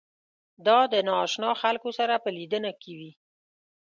دا د نااشنا خلکو سره په لیدنه کې وي.